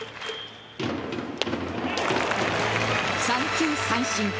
３球三振。